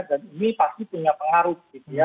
dan ini pasti punya pengaruh gitu ya